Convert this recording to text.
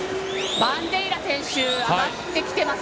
バンデイラ選手上がってきています。